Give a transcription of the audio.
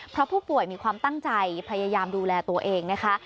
เพราะผู้ป่วยมีความตั้งใจพยายามดูแลตัวเองนะคะ